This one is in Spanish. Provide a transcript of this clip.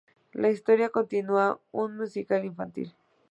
La historia continúa" un musical infantil.